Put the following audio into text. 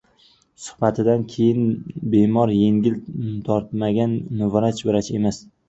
Suhbatidan keyin bemor yengil tortmagan vrach vrach emas.